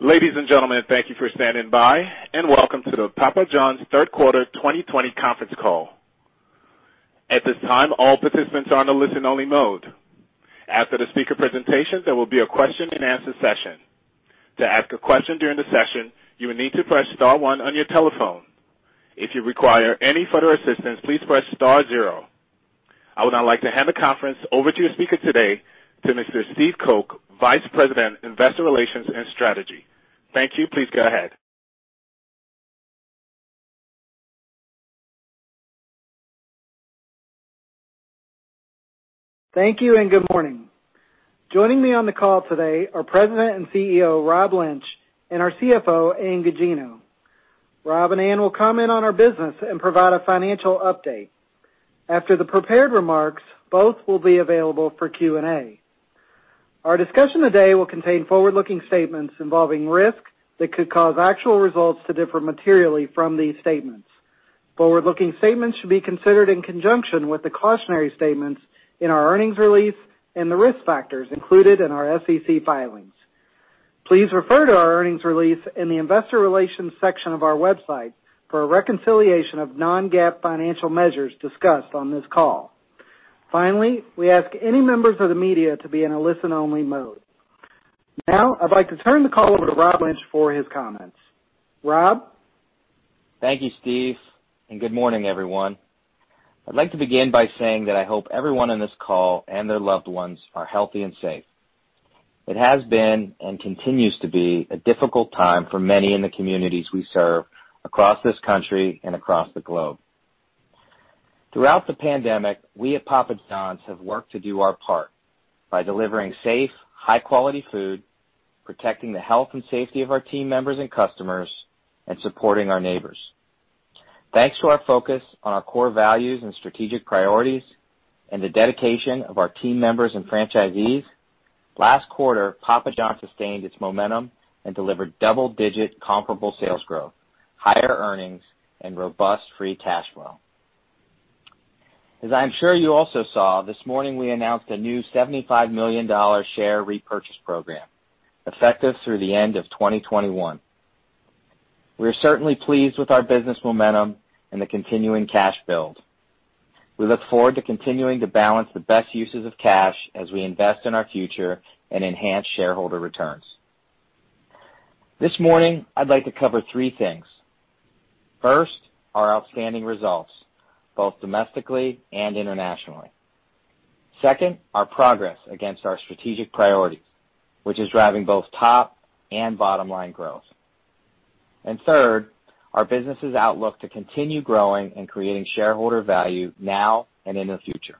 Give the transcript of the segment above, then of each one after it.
Ladies and gentlemen, thank you for standing by, and welcome to the Papa John's third quarter 2020 conference call. At this time, all participants are on a listen-only mode. After speaker presentation, there will be a question-and-answer session. To ask a question during the session, you will need to press star one on your telephone. If you require any assistance, please press star zero. I would now like to hand the conference over to your speaker today, to Mr. Steve Coke, Vice President, Investor Relations and Strategy. Thank you. Please go ahead. Thank you, and good morning. Joining me on the call today are President and CEO, Rob Lynch, and our CFO, Ann Gugino. Rob and Ann will comment on our business and provide a financial update. After the prepared remarks, both will be available for Q&A. Our discussion today will contain forward-looking statements involving risk that could cause actual results to differ materially from these statements. Forward-looking statements should be considered in conjunction with the cautionary statements in our Earnings Release and the risk factors included in our SEC filings. Please refer to our Earnings Release in the Investor Relations section of our website for a reconciliation of non-GAAP financial measures discussed on this call. Finally, we ask any members of the media to be in a listen-only mode. Now, I'd like to turn the call over to Rob Lynch for his comments. Rob? Thank you, Steve, and good morning, everyone. I'd like to begin by saying that I hope everyone on this call and their loved ones are healthy and safe. It has been, and continues to be, a difficult time for many in the communities we serve across this country and across the globe. Throughout the pandemic, we at Papa John's have worked to do our part by delivering safe, high-quality food, protecting the health and safety of our team members and customers, and supporting our neighbors. Thanks to our focus on our core values and strategic priorities, and the dedication of our team members and franchisees, last quarter, Papa John's sustained its momentum and delivered double-digit comparable sales growth, higher earnings, and robust free cash flow. As I am sure you also saw, this morning we announced a new $75 million share repurchase program, effective through the end of 2021. We are certainly pleased with our business momentum and the continuing cash build. We look forward to continuing to balance the best uses of cash as we invest in our future and enhance shareholder returns. This morning, I'd like to cover three things. First, our outstanding results, both domestically and internationally. Second, our progress against our strategic priorities, which is driving both top and bottom-line growth. Third, our business' outlook to continue growing and creating shareholder value now and in the future.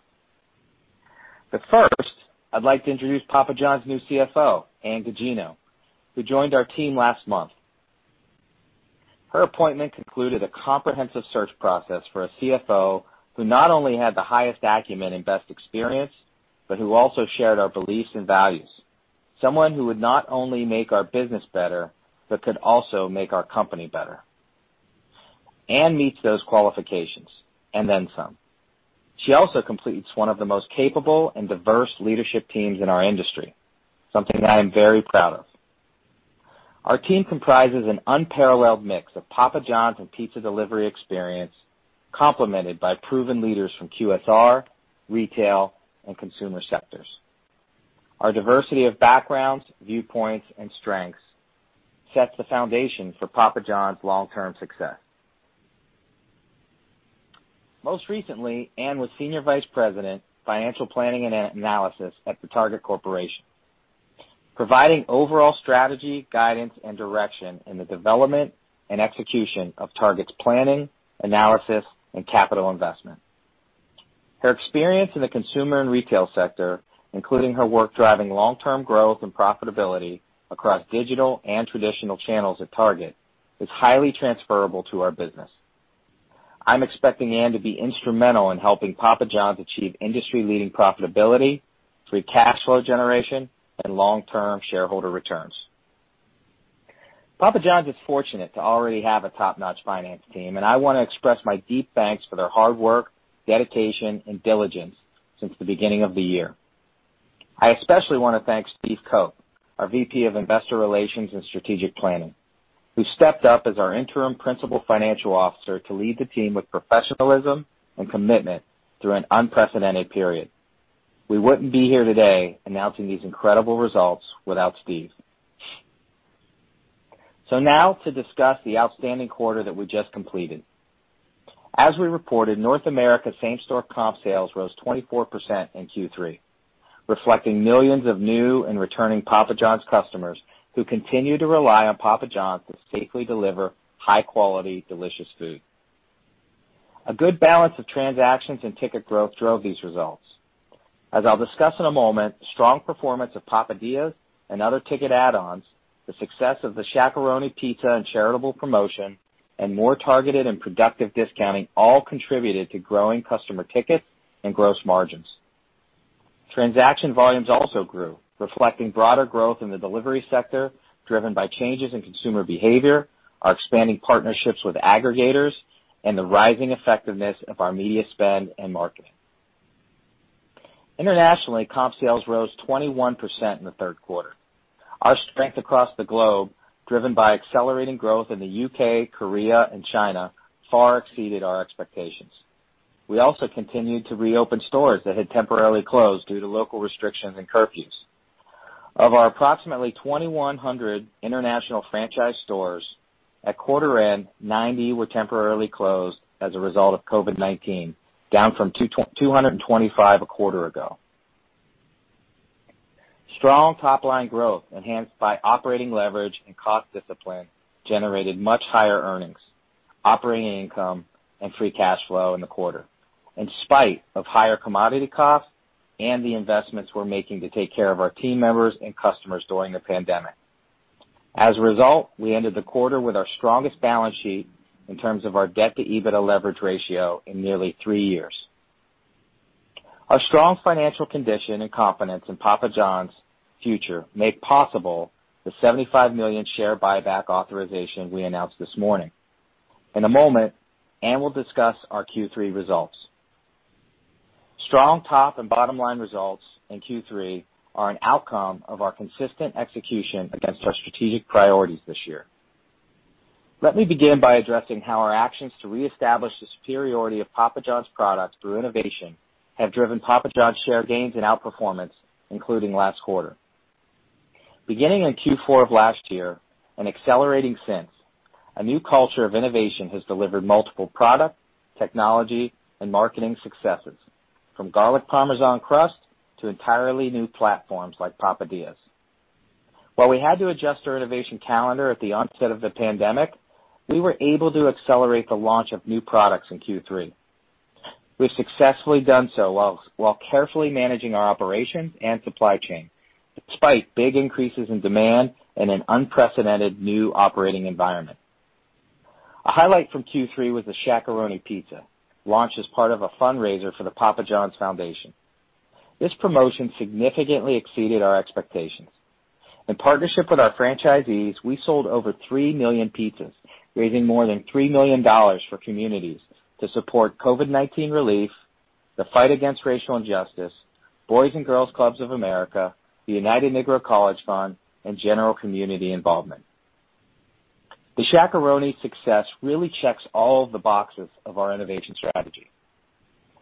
First, I'd like to introduce Papa John's new CFO, Ann Gugino, who joined our team last month. Her appointment concluded a comprehensive search process for a CFO who not only had the highest acumen and best experience, but who also shared our beliefs and values, someone who would not only make our business better, but could also make our company better. Ann meets those qualifications, and then some. She also completes one of the most capable and diverse leadership teams in our industry, something that I am very proud of. Our team comprises an unparalleled mix of Papa John's and pizza delivery experience, complemented by proven leaders from QSR, retail, and consumer sectors. Our diversity of backgrounds, viewpoints, and strengths sets the foundation for Papa John's long-term success. Most recently, Ann was Senior Vice President, Financial Planning and Analysis at the Target Corporation, providing overall strategy, guidance, and direction in the development and execution of Target's planning, analysis, and capital investment. Her experience in the consumer and retail sector, including her work driving long-term growth and profitability across digital and traditional channels at Target, is highly transferable to our business. I'm expecting Ann to be instrumental in helping Papa John's achieve industry-leading profitability through cash flow generation and long-term shareholder returns. Papa John's is fortunate to already have a top-notch Finance Team. I want to express my deep thanks for their hard work, dedication, and diligence since the beginning of the year. I especially want to thank Steve Coke, our VP of Investor Relations and Strategic Planning, who stepped up as our interim Principal Financial Officer to lead the team with professionalism and commitment through an unprecedented period. We wouldn't be here today announcing these incredible results without Steve. Now to discuss the outstanding quarter that we just completed. As we reported, North America same-store comp sales rose 24% in Q3, reflecting millions of new and returning Papa John's customers who continue to rely on Papa John's to safely deliver high-quality, delicious food. A good balance of transactions and ticket growth drove these results. As I'll discuss in a moment, strong performance of Papadias and other ticket add-ons, the success of the Shaq-a-Roni Pizza and charitable promotion, and more targeted and productive discounting all contributed to growing customer tickets and gross margins. Transaction volumes also grew, reflecting broader growth in the delivery sector, driven by changes in consumer behavior, our expanding partnerships with aggregators, and the rising effectiveness of our media spend and marketing. Internationally, comp sales rose 21% in the third quarter. Our strength across the globe, driven by accelerating growth in the U.K., Korea, and China, far exceeded our expectations. We also continued to reopen stores that had temporarily closed due to local restrictions and curfews. Of our approximately 2,100 international franchise stores at quarter end, 90 were temporarily closed as a result of COVID-19, down from 225 a quarter ago. Strong top-line growth, enhanced by operating leverage and cost discipline, generated much higher earnings, operating income, and free cash flow in the quarter in spite of higher commodity costs and the investments we're making to take care of our team members and customers during the pandemic. As a result, we ended the quarter with our strongest balance sheet in terms of our debt to EBITDA leverage ratio in nearly three years. Our strong financial condition and confidence in Papa John's future make possible the $75 million share buyback authorization we announced this morning. In a moment, Ann will discuss our Q3 results. Strong top and bottom-line results in Q3 are an outcome of our consistent execution against our strategic priorities this year. Let me begin by addressing how our actions to reestablish the superiority of Papa John's products through innovation have driven Papa John's share gains and outperformance, including last quarter. Beginning in Q4 of last year and accelerating since, a new culture of innovation has delivered multiple product, technology, and marketing successes, from Garlic Parmesan Crust to entirely new platforms like Papadias. While we had to adjust our innovation calendar at the onset of the pandemic, we were able to accelerate the launch of new products in Q3. We've successfully done so while carefully managing our operations and supply chain, despite big increases in demand and an unprecedented new operating environment. A highlight from Q3 was the Shaq-a-Roni Pizza, launched as part of a fundraiser for the Papa John's Foundation. This promotion significantly exceeded our expectations. In partnership with our franchisees, we sold over 3 million pizzas, raising more than $3 million for communities to support COVID-19 relief, the fight against racial injustice, Boys & Girls Clubs of America, the United Negro College Fund, and general community involvement. The Shaq-a-Roni success really checks all the boxes of our innovation strategy.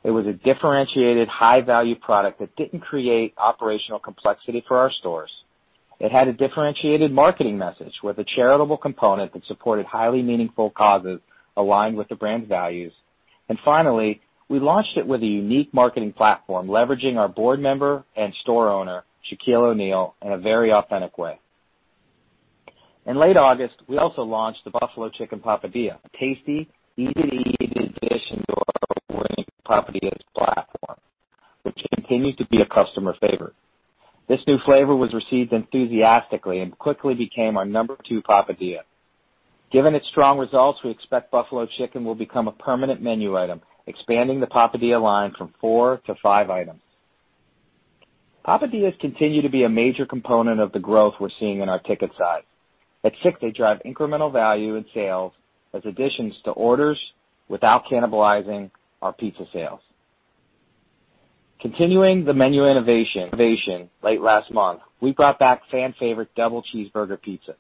It was a differentiated, high-value product that didn't create operational complexity for our stores. It had a differentiated marketing message with a charitable component that supported highly meaningful causes aligned with the brand values. Finally, we launched it with a unique marketing platform, leveraging our board member and store owner, Shaquille O'Neal, in a very authentic way. In late August, we also launched the Buffalo Chicken Papadia, a tasty, easy-to-eat addition to our award-winning Papadia platform, which continues to be a customer favorite. This new flavor was received enthusiastically and quickly became our number two Papadia. Given its strong results, we expect Buffalo Chicken will become a permanent menu item, expanding the Papadia line from four to five items. Papadias continue to be a major component of the growth we're seeing in our ticket size. At $6, they drive incremental value in sales as additions to orders without cannibalizing our pizza sales. Continuing the menu innovation, late last month, we brought back fan favorite Double Cheeseburger Pizza,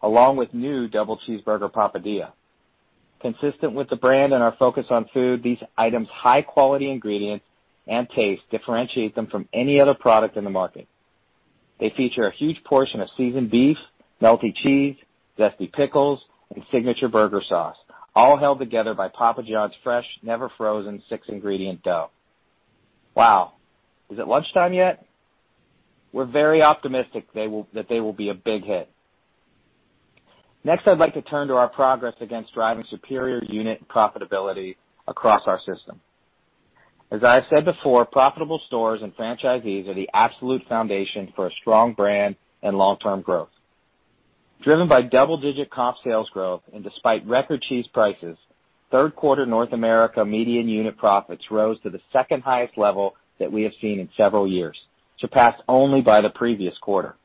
along with new Double Cheeseburger Papadia. Consistent with the brand and our focus on food, these items' high-quality ingredients and taste differentiate them from any other product in the market. They feature a huge portion of seasoned beef, melty cheese, zesty pickles, and signature burger sauce, all held together by Papa John's fresh, never frozen, six-ingredient dough. Wow, is it lunchtime yet? We're very optimistic that they will be a big hit. Next, I'd like to turn to our progress against driving superior unit profitability across our system. As I have said before, profitable stores and franchisees are the absolute foundation for a strong brand and long-term growth. Driven by double-digit comp sales growth and despite record cheese prices, third quarter North America median unit profits rose to the second highest level that we have seen in several years, surpassed only by the previous quarter.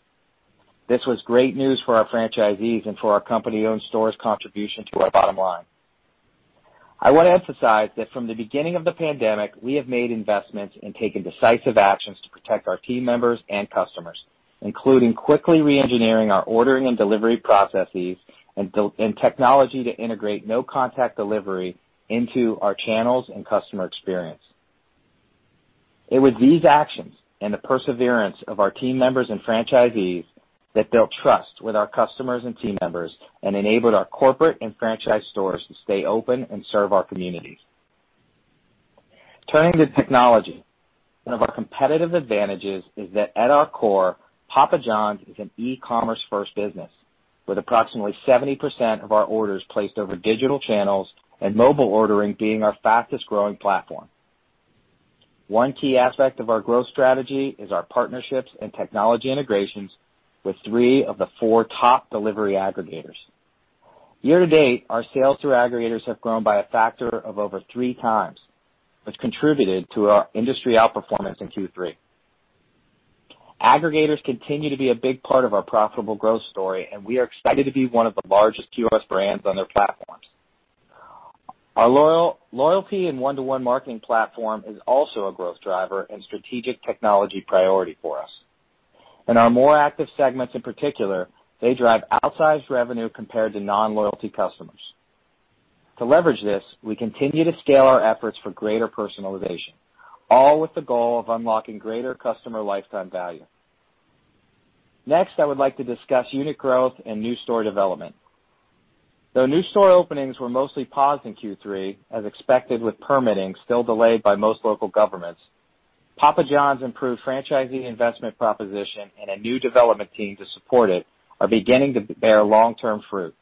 This was great news for our franchisees and for our company-owned stores' contribution to our bottom line. I want to emphasize that from the beginning of the pandemic, we have made investments and taken decisive actions to protect our team members and customers, including quickly re-engineering our ordering and delivery processes and technology to integrate no-contact delivery into our channels and customer experience. It was these actions and the perseverance of our team members and franchisees that built trust with our customers and team members and enabled our corporate and franchise stores to stay open and serve our communities. Turning to technology, one of our competitive advantages is that at our core, Papa John's is an e-commerce first business, with approximately 70% of our orders placed over digital channels and mobile ordering being our fastest-growing platform. One key aspect of our growth strategy is our partnerships and technology integrations with three of the four top delivery aggregators. Year to date, our sales through aggregators have grown by a factor of over 3x, which contributed to our industry outperformance in Q3. Aggregators continue to be a big part of our profitable growth story, and we are excited to be one of the largest QSR brands on their platforms. Our loyalty and one-to-one marketing platform is also a growth driver and strategic technology priority for us. In our more active segments in particular, they drive outsized revenue compared to non-loyalty customers. To leverage this, we continue to scale our efforts for greater personalization, all with the goal of unlocking greater customer lifetime value. Next, I would like to discuss unit growth and new store development. Though new store openings were mostly paused in Q3, as expected, with permitting still delayed by most local governments, Papa John's improved franchisee investment proposition, and a new development team to support it, are beginning to bear long-term fruit.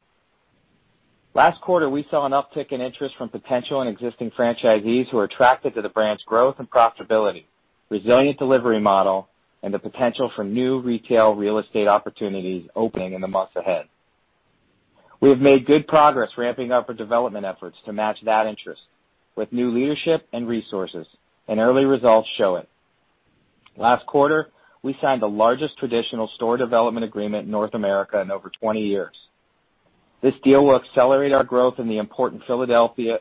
Last quarter, we saw an uptick in interest from potential and existing franchisees who are attracted to the brand's growth and profitability, resilient delivery model, and the potential for new retail real estate opportunities opening in the months ahead. We have made good progress ramping up our development efforts to match that interest with new leadership and resources, and early results show it. Last quarter, we signed the largest traditional store development agreement in North America in over 20 years. This deal will accelerate our growth in the important Philadelphia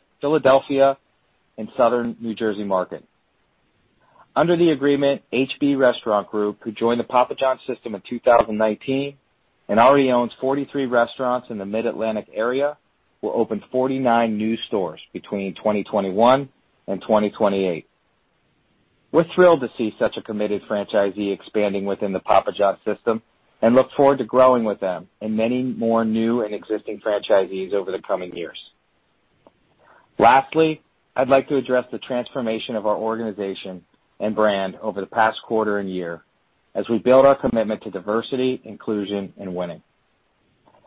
and Southern New Jersey market. Under the agreement, HB Restaurant Group, who joined the Papa John's system in 2019, and already owns 43 restaurants in the Mid-Atlantic area, will open 49 new stores between 2021 and 2028. We're thrilled to see such a committed franchisee expanding within the Papa John's system, and look forward to growing with them and many more new and existing franchisees over the coming years. Lastly, I'd like to address the transformation of our organization and brand over the past quarter and year as we build our commitment to diversity, inclusion, and winning.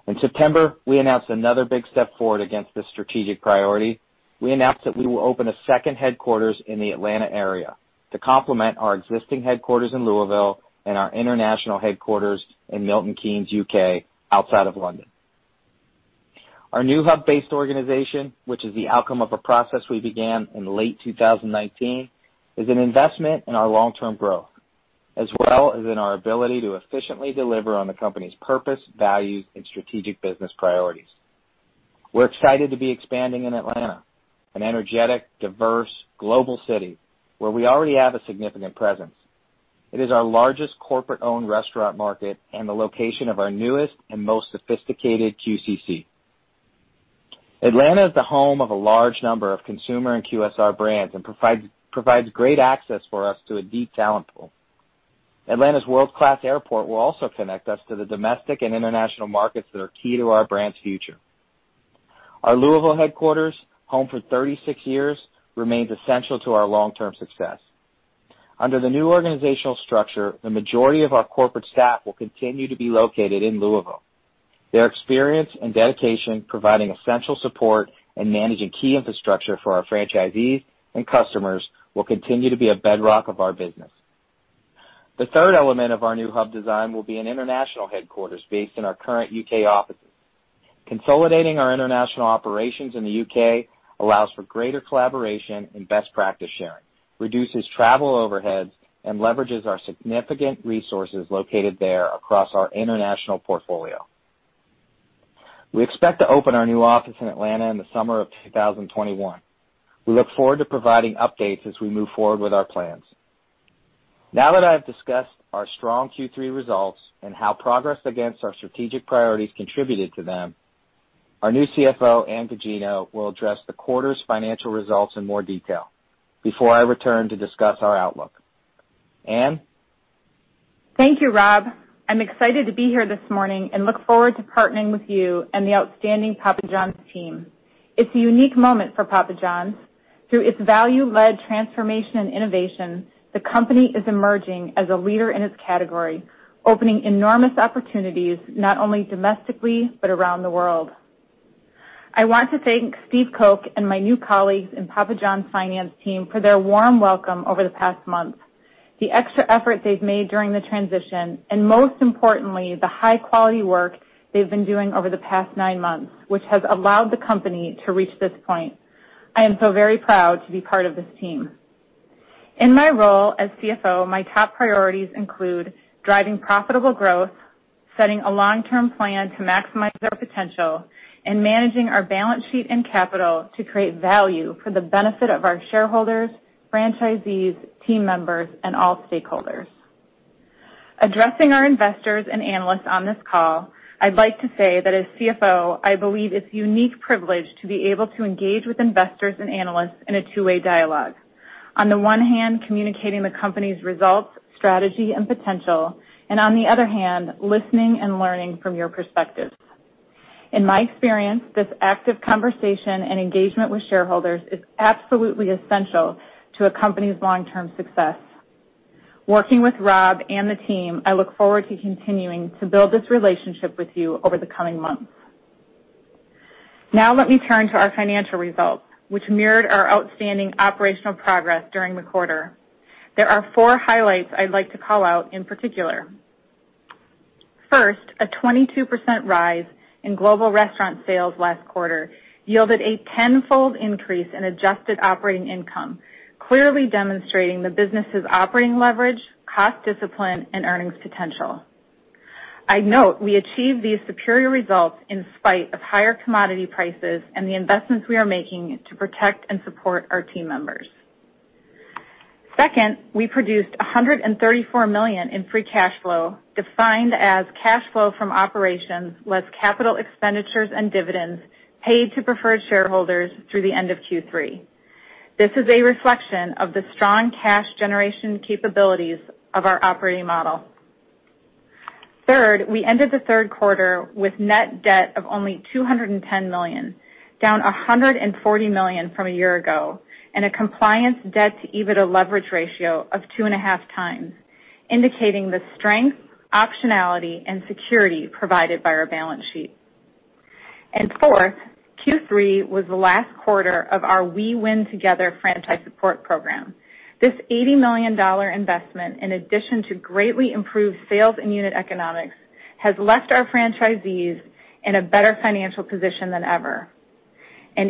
In September, we announced another big step forward against this strategic priority. We announced that we will open a second headquarters in the Atlanta area to complement our existing headquarters in Louisville and our international headquarters in Milton Keynes, U.K., outside of London. Our new hub-based organization, which is the outcome of a process we began in late 2019, is an investment in our long-term growth, as well as in our ability to efficiently deliver on the company's purpose, values, and strategic business priorities. We're excited to be expanding in Atlanta, an energetic, diverse, global city where we already have a significant presence. It is our largest corporate-owned restaurant market and the location of our newest and most sophisticated QCC. Atlanta is the home of a large number of consumer and QSR brands and provides great access for us to a deep talent pool. Atlanta's world-class airport will also connect us to the domestic and international markets that are key to our brand's future. Our Louisville headquarters, home for 36 years, remains essential to our long-term success. Under the new organizational structure, the majority of our corporate staff will continue to be located in Louisville. Their experience and dedication, providing essential support and managing key infrastructure for our franchisees and customers, will continue to be a bedrock of our business. The third element of our new hub design will be an international headquarters based in our current U.K. offices. Consolidating our international operations in the U.K. allows for greater collaboration and best practice sharing, reduces travel overheads, and leverages our significant resources located there across our international portfolio. We expect to open our new office in Atlanta in the summer of 2021. We look forward to providing updates as we move forward with our plans. Now that I've discussed our strong Q3 results and how progress against our strategic priorities contributed to them, our new CFO, Ann Gugino, will address the quarter's financial results in more detail before I return to discuss our outlook. Ann? Thank you, Rob. I'm excited to be here this morning and look forward to partnering with you and the outstanding Papa John's team. It's a unique moment for Papa John's. Through its value-led transformation and innovation, the company is emerging as a leader in its category, opening enormous opportunities not only domestically, but around the world. I want to thank Steve Coke and my new colleagues in Papa John's Finance Team for their warm welcome over the past month, the extra effort they've made during the transition, and most importantly, the high-quality work they've been doing over the past nine months, which has allowed the company to reach this point. I am so very proud to be part of this team. In my role as CFO, my top priorities include driving profitable growth, setting a long-term plan to maximize our potential, and managing our balance sheet and capital to create value for the benefit of our shareholders, franchisees, team members, and all stakeholders. Addressing our investors and analysts on this call, I'd like to say that as CFO, I believe it's a unique privilege to be able to engage with investors and analysts in a two-way dialogue. On the one hand, communicating the company's results, strategy, and potential, and on the other hand, listening and learning from your perspective. In my experience, this active conversation and engagement with shareholders is absolutely essential to a company's long-term success. Working with Rob and the team, I look forward to continuing to build this relationship with you over the coming months. Now let me turn to our financial results, which mirrored our outstanding operational progress during the quarter. There are four highlights I'd like to call out in particular. First, a 22% rise in global restaurant sales last quarter yielded a tenfold increase in adjusted operating income, clearly demonstrating the business's operating leverage, cost discipline, and earnings potential. I note we achieved these superior results in spite of higher commodity prices and the investments we are making to protect and support our team members. Second, we produced $134 million in free cash flow, defined as cash flow from operations, less capital expenditures and dividends paid to preferred shareholders through the end of Q3. This is a reflection of the strong cash generation capabilities of our operating model. Third, we ended the third quarter with net debt of only $210 million, down $140 million from a year ago, and a compliance debt to EBITDA leverage ratio of 2.5x, indicating the strength, optionality, and security provided by our balance sheet. Fourth, Q3 was the last quarter of our We Win Together Franchise Support Program. This $80 million investment, in addition to greatly improved sales and unit economics, has left our franchisees in a better financial position than ever.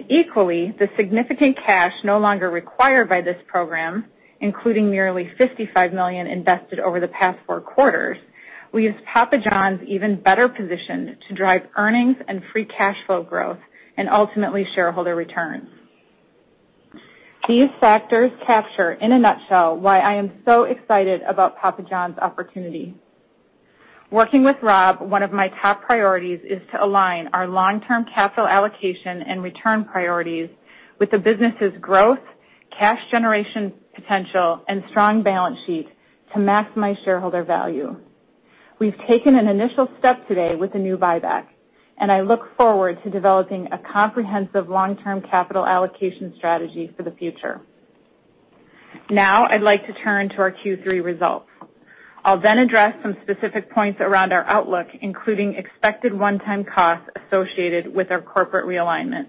Equally, the significant cash no longer required by this program, including nearly $55 million invested over the past four quarters, leaves Papa John's even better positioned to drive earnings and free cash flow growth, and ultimately, shareholder returns. These factors capture, in a nutshell, why I am so excited about Papa John's opportunity. Working with Rob, one of my top priorities is to align our long-term capital allocation and return priorities with the business' growth, cash generation potential, and strong balance sheet to maximize shareholder value. We've taken an initial step today with the new buyback, and I look forward to developing a comprehensive long-term capital allocation strategy for the future. Now, I'd like to turn to our Q3 results. I'll address some specific points around our outlook, including expected one-time costs associated with our corporate realignment.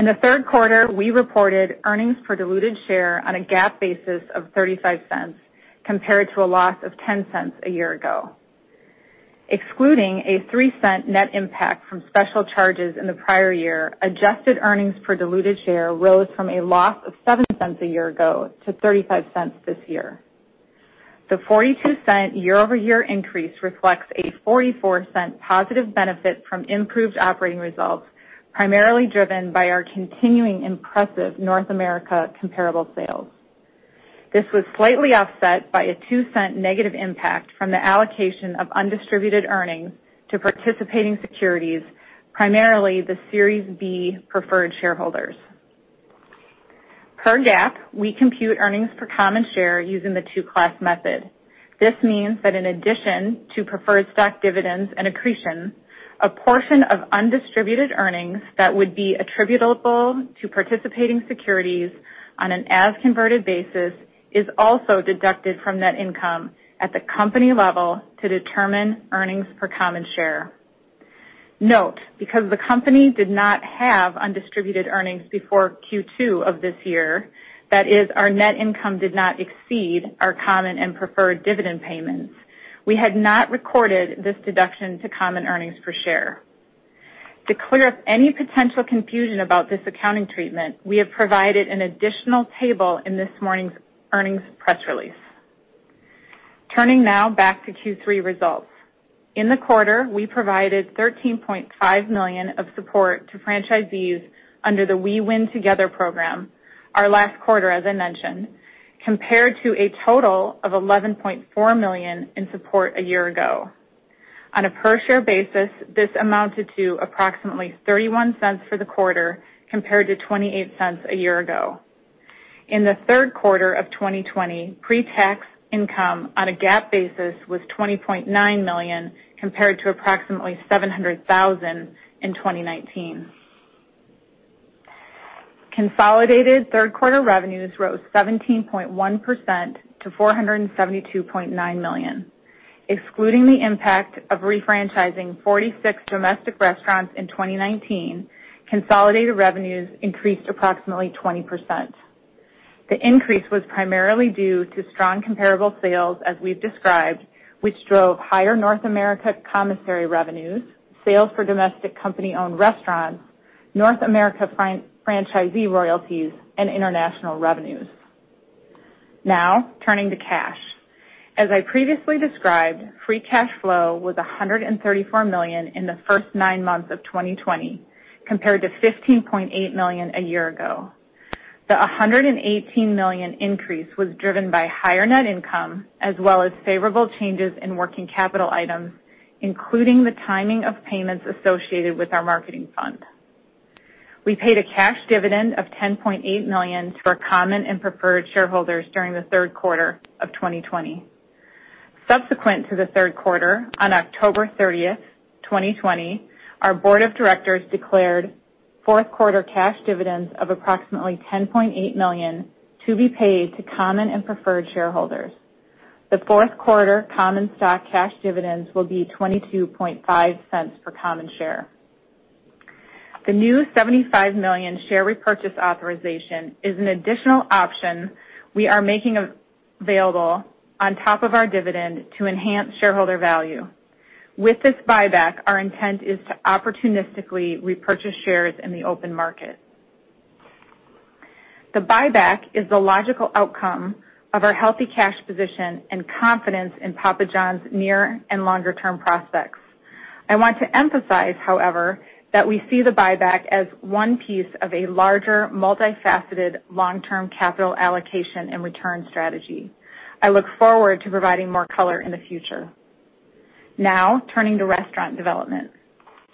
In the third quarter, we reported earnings per diluted share on a GAAP basis of $0.35 compared to a loss of $0.10 a year ago. Excluding a $0.03 net impact from special charges in the prior year, adjusted earnings per diluted share rose from a loss of $0.07 a year ago to $0.35 this year. The $0.42 year-over-year increase reflects a $0.44 positive benefit from improved operating results, primarily driven by our continuing impressive North America comparable sales. This was slightly offset by a $0.02 negative impact from the allocation of undistributed earnings to participating securities, primarily the Series B Preferred Shareholders. Per GAAP, we compute earnings per common share using the Two-Class Method. This means that in addition to preferred stock dividends and accretion, a portion of undistributed earnings that would be attributable to participating securities on an as-converted basis is also deducted from net income at the company level to determine earnings per common share. Note, because the company did not have undistributed earnings before Q2 of this year, that is, our net income did not exceed our Common and Preferred Dividend payments, we had not recorded this deduction to common earnings per share. To clear up any potential confusion about this accounting treatment, we have provided an additional table in this morning's earnings press release. Turning now back to Q3 results. In the quarter, we provided $13.5 million of support to franchisees under the We Win Together Program, our last quarter, as I mentioned, compared to a total of $11.4 million in support a year ago. On a per-share basis, this amounted to approximately $0.31 for the quarter, compared to $0.28 a year ago. In the third quarter of 2020, pre-tax income on a GAAP basis was $20.9 million, compared to approximately $700,000 in 2019. Consolidated third-quarter revenues rose 17.1% to $472.9 million. Excluding the impact of refranchising 46 domestic restaurants in 2019, consolidated revenues increased approximately 20%. The increase was primarily due to strong comparable sales, as we've described, which drove higher North America commissary revenues, sales for domestic company-owned restaurants, North America franchisee royalties, and international revenues. Now, turning to cash. As I previously described, free cash flow was $134 million in the first nine months of 2020, compared to $15.8 million a year ago. The $118 million increase was driven by higher net income, as well as favorable changes in working capital items, including the timing of payments associated with our marketing fund. We paid a cash dividend of $10.8 million to our Common and Preferred Shareholders during the third quarter of 2020. Subsequent to the third quarter, on October 30th, 2020, our board of directors declared fourth quarter cash dividends of approximately $10.8 million to be paid to Common and Preferred Shareholders. The fourth quarter common stock cash dividends will be $0.225 per common share. The new $75 million share repurchase authorization is an additional option we are making available on top of our dividend to enhance shareholder value. With this buyback, our intent is to opportunistically repurchase shares in the open market. The buyback is the logical outcome of our healthy cash position and confidence in Papa John's near and longer-term prospects. I want to emphasize, however, that we see the buyback as one piece of a larger, multifaceted, long-term capital allocation and return strategy. I look forward to providing more color in the future. Turning to restaurant development.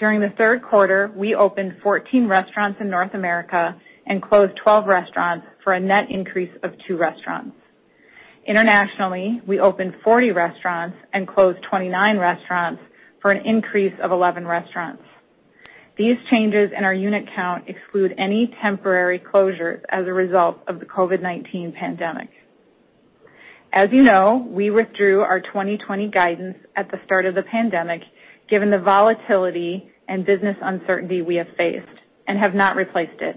During the third quarter, we opened 14 restaurants in North America and closed 12 restaurants for a net increase of two restaurants. Internationally, we opened 40 restaurants and closed 29 restaurants for an increase of 11 restaurants. These changes in our unit count exclude any temporary closures as a result of the COVID-19 pandemic. As you know, we withdrew our 2020 guidance at the start of the pandemic, given the volatility and business uncertainty we have faced, and have not replaced it.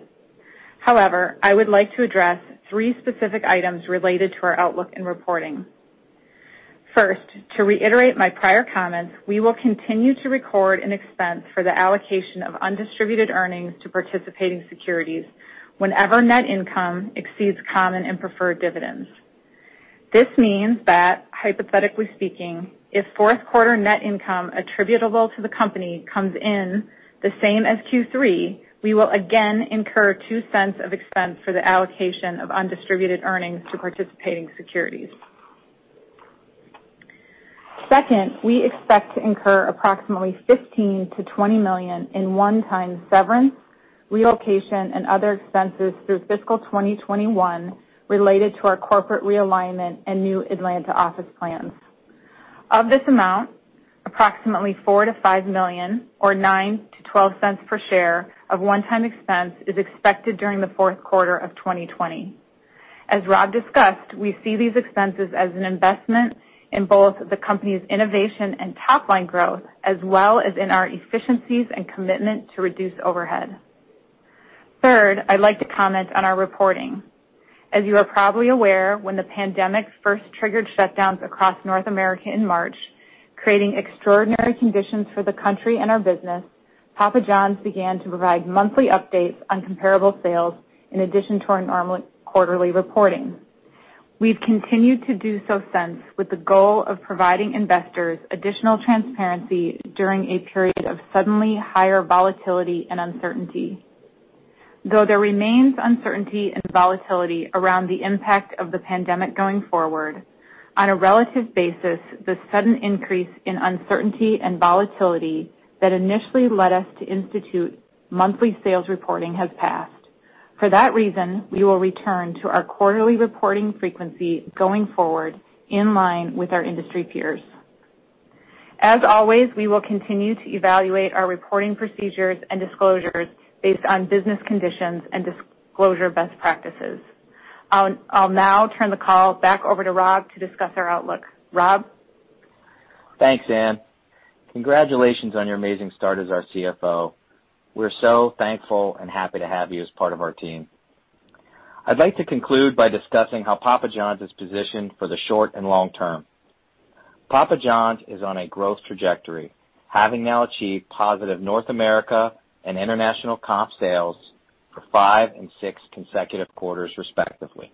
However, I would like to address three specific items related to our outlook and reporting. First, to reiterate my prior comments, we will continue to record an expense for the allocation of undistributed earnings to participating securities whenever net income exceeds common and preferred dividends. This means that, hypothetically speaking, if fourth quarter net income attributable to the company comes in the same as Q3, we will again incur $0.02 of expense for the allocation of undistributed earnings to participating securities. Second, we expect to incur approximately $15 million-$20 million in one-time severance, relocation, and other expenses through fiscal 2021 related to our corporate realignment and new Atlanta office plans. Of this amount, approximately $4 million-$5 million, or $0.09-$0.12 per share of one-time expense, is expected during the fourth quarter of 2020. As Rob discussed, we see these expenses as an investment in both the company's innovation and top-line growth, as well as in our efficiencies and commitment to reduce overhead. Third, I'd like to comment on our reporting. As you are probably aware, when the pandemic first triggered shutdowns across North America in March, creating extraordinary conditions for the country and our business, Papa John's began to provide monthly updates on comparable sales in addition to our normal quarterly reporting. We've continued to do so since, with the goal of providing investors additional transparency during a period of suddenly higher volatility and uncertainty. Though there remains uncertainty and volatility around the impact of the pandemic going forward, on a relative basis, the sudden increase in uncertainty and volatility that initially led us to institute monthly sales reporting has passed. For that reason, we will return to our quarterly reporting frequency going forward, in line with our industry peers. As always, we will continue to evaluate our reporting procedures and disclosures based on business conditions and disclosure best practices. I'll now turn the call back over to Rob to discuss our outlook. Rob? Thanks, Ann. Congratulations on your amazing start as our CFO. We're so thankful and happy to have you as part of our team. I'd like to conclude by discussing how Papa John's is positioned for the short and long term. Papa John's is on a growth trajectory, having now achieved positive North America and international comp sales for five and six consecutive quarters respectively.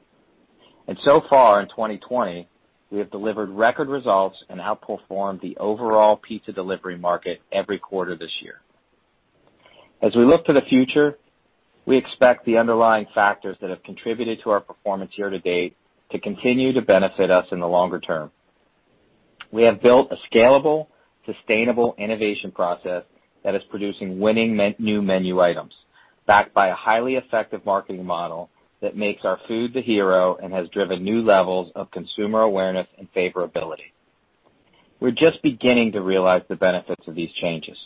So far in 2020, we have delivered record results and outperformed the overall pizza delivery market every quarter this year. As we look to the future, we expect the underlying factors that have contributed to our performance year to date to continue to benefit us in the longer term. We have built a scalable, sustainable innovation process that is producing winning new menu items, backed by a highly effective marketing model that makes our food the hero and has driven new levels of consumer awareness and favorability. We're just beginning to realize the benefits of these changes.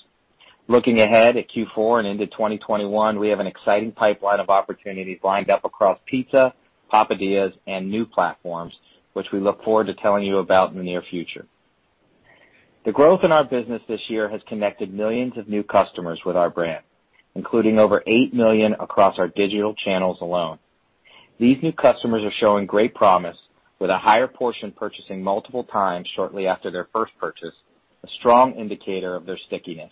Looking ahead at Q4 and into 2021, we have an exciting pipeline of opportunities lined up across pizza, Papadias, and new platforms, which we look forward to telling you about in the near future. The growth in our business this year has connected millions of new customers with our brand, including over 8 million across our digital channels alone. These new customers are showing great promise, with a higher portion purchasing multiple times shortly after their first purchase, a strong indicator of their stickiness.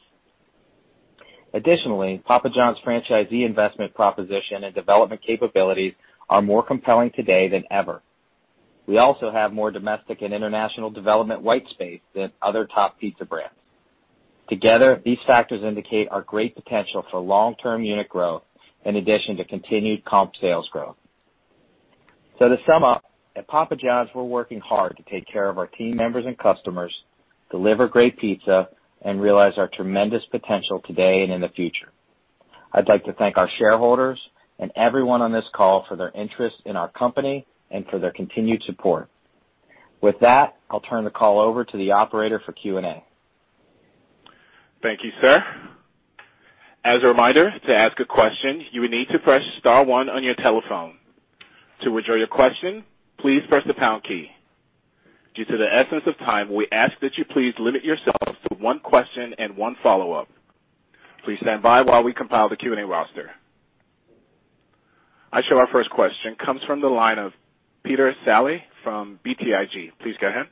Additionally, Papa John's franchisee investment proposition and development capabilities are more compelling today than ever. We also have more domestic and international white space than other top pizza brands. Together, these factors indicate our great potential for long-term unit growth, in addition to continued comp sales growth. To sum up, at Papa John's, we're working hard to take care of our team members and customers, deliver great pizza, and realize our tremendous potential today and in the future. I'd like to thank our shareholders and everyone on this call for their interest in our company and for their continued support. With that, I'll turn the call over to the operator for Q&A. Thank you, sir. As a reminder, to ask a question, you will need to press star one on your telephone. To withdraw your question, please press the pound key. Due to the essence of time, we ask that you please limit yourself to one question and one follow-up. Please stand by while we compile the Q&A roster. I show our first question comes from the line of Peter Saleh from BTIG. Please go ahead.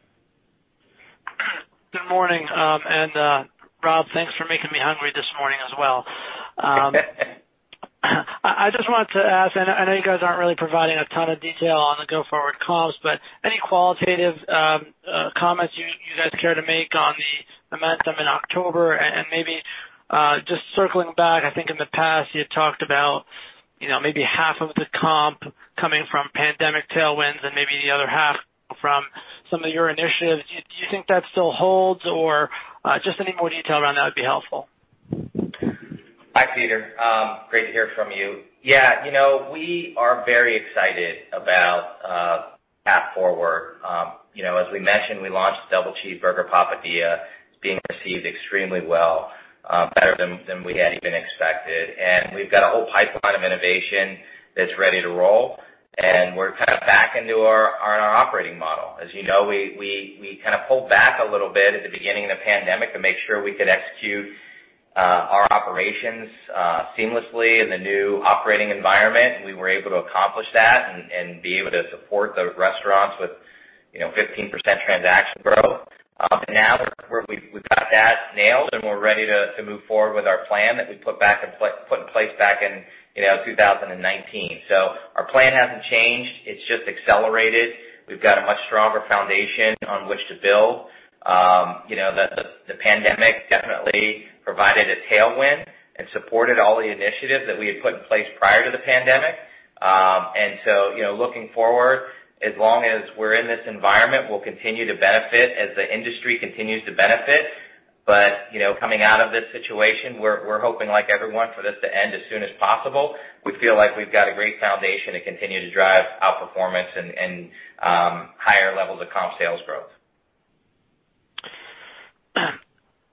Good morning. Rob, thanks for making me hungry this morning as well. I just wanted to ask, I know you guys aren't really providing a ton of detail on the go-forward comps, any qualitative comments you guys care to make on the momentum in October? Maybe just circling back, I think in the past you had talked about maybe half of the comp coming from pandemic tailwinds and maybe the other half from some of your initiatives. Do you think that still holds, just any more detail around that would be helpful. Hi, Peter. Great to hear from you. Yeah, we are very excited about the path forward. As we mentioned, we launched Double Cheeseburger Papadia. It's being received extremely well, better than we had even expected. We've got a whole pipeline of innovation that's ready to roll, and we're kind of back into our operating model. As you know, we kind of pulled back a little bit at the beginning of the pandemic to make sure we could execute our operations seamlessly in the new operating environment. We were able to accomplish that and be able to support the restaurants with 15% transaction growth. Now that we've got that nailed, we're ready to move forward with our plan that we put in place back in 2019. Our plan hasn't changed. It's just accelerated. We've got a much stronger foundation on which to build. The pandemic definitely provided a tailwind and supported all the initiatives that we had put in place prior to the pandemic. Looking forward, as long as we're in this environment, we'll continue to benefit as the industry continues to benefit. Coming out of this situation, we're hoping, like everyone, for this to end as soon as possible. We feel like we've got a great foundation to continue to drive outperformance and higher levels of comp sales growth.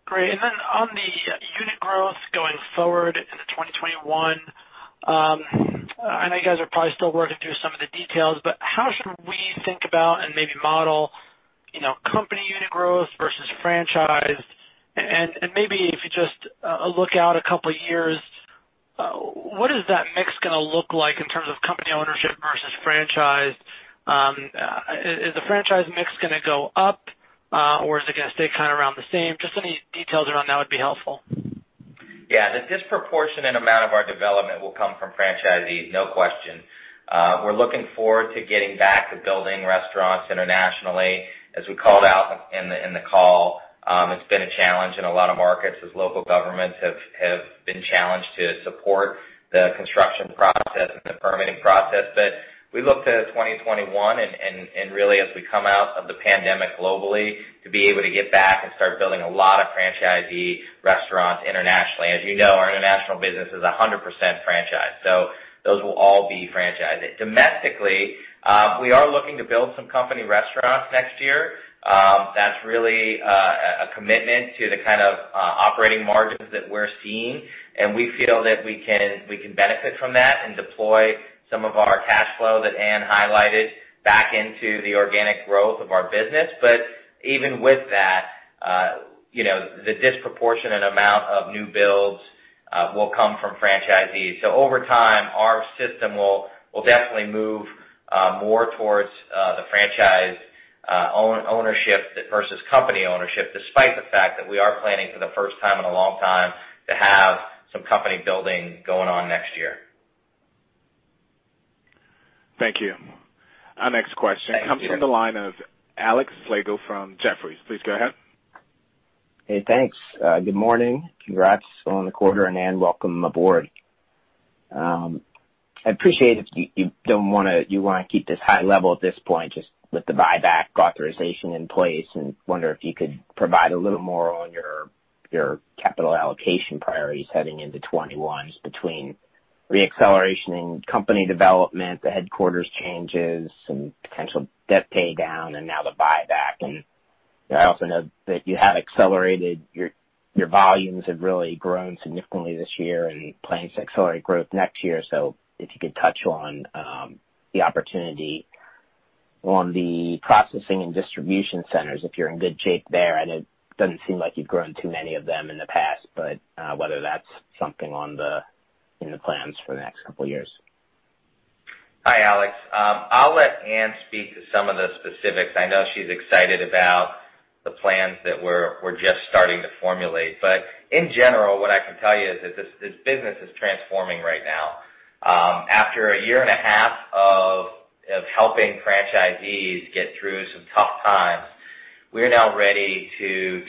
Great. Then on the unit growth going forward into 2021, I know you guys are probably still working through some of the details, but how should we think about and maybe model company unit growth versus franchise? Maybe if you just look out a couple of years, what is that mix going to look like in terms of company ownership versus franchise? Is the franchise mix going to go up, or is it going to stay around the same? Just any details around that would be helpful. Yeah. The disproportionate amount of our development will come from franchisees, no question. We're looking forward to getting back to building restaurants internationally. As we called out in the call, it's been a challenge in a lot of markets as local governments have been challenged to support the construction process and the permitting process. We look to 2021, and really as we come out of the pandemic globally, to be able to get back and start building a lot of franchisee restaurants internationally. As you know, our international business is 100% franchise. Those will all be franchised. Domestically, we are looking to build some company restaurants next year. That's really a commitment to the kind of operating margins that we're seeing, and we feel that we can benefit from that and deploy some of our cash flow that Ann highlighted back into the organic growth of our business. Even with that, the disproportionate amount of new builds will come from franchisees. Over time, our system will definitely move more towards the franchise ownership versus company ownership, despite the fact that we are planning for the first time in a long time to have some company building going on next year. Thank you. Our next question comes from- Thank you the line of Alex Slagle from Jefferies. Please go ahead. Hey, thanks. Good morning. Congrats on the quarter. Ann, welcome aboard. I appreciate if you want to keep this high level at this point, just with the buyback authorization in place. Wonder if you could provide a little more on your capital allocation priorities heading into 2021 between re-acceleration in company development, the headquarters changes, some potential debt pay down, and now the buyback. I also know that you have accelerated, your volumes have really grown significantly this year and plans to accelerate growth next year. If you could touch on the opportunity on the processing and distribution centers, if you're in good shape there, and it doesn't seem like you've grown too many of them in the past, but whether that's something in the plans for the next couple of years. Hi, Alex. I'll let Ann speak to some of the specifics. I know she's excited about the plans that we're just starting to formulate. In general, what I can tell you is that this business is transforming right now. After a year and a half of helping franchisees get through some tough times, we are now ready to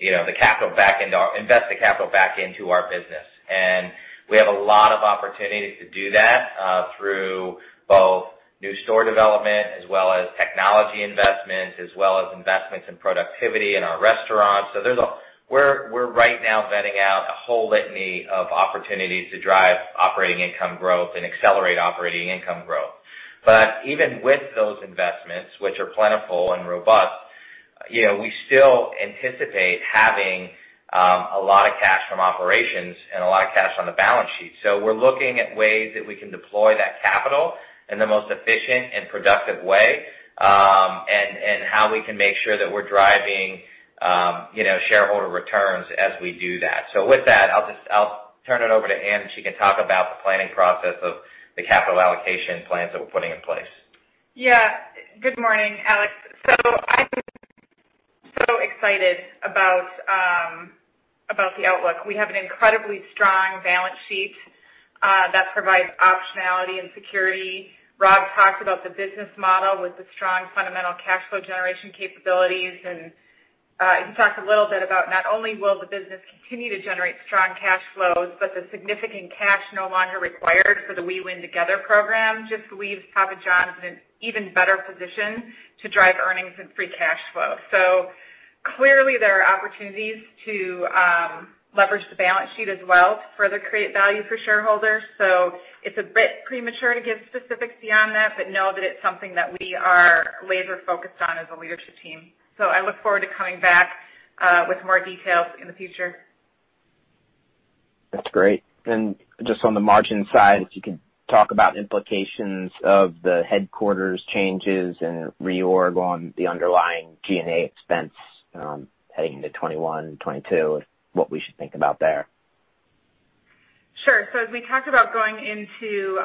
invest the capital back into our business. We have a lot of opportunities to do that, through both new store development as well as technology investments, as well as investments in productivity in our restaurants. We're right now vetting out a whole litany of opportunities to drive operating income growth and accelerate operating income growth. Even with those investments, which are plentiful and robust, we still anticipate having a lot of cash from operations and a lot of cash on the balance sheet. We're looking at ways that we can deploy that capital in the most efficient and productive way. How we can make sure that we're driving shareholder returns as we do that. With that, I'll turn it over to Ann, and she can talk about the planning process of the capital allocation plans that we're putting in place. Good morning, Alex. I am so excited about the outlook. We have an incredibly strong balance sheet that provides optionality and security. Rob talked about the business model with the strong fundamental cash flow generation capabilities, and he talked a little bit about not only will the business continue to generate strong cash flows, but the significant cash no longer required for the We Win Together Program just leaves Papa John's in an even better position to drive earnings and free cash flow. Clearly, there are opportunities to leverage the balance sheet as well to further create value for shareholders. It's a bit premature to give specifics beyond that, but know that it's something that we are laser focused on as a leadership team. I look forward to coming back with more details in the future. That's great. Just on the margin side, if you could talk about implications of the headquarters changes and reorg on the underlying G&A expense heading into 2021, 2022, what we should think about there? Sure. As we talk about going into